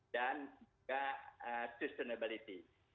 dan juga sustainability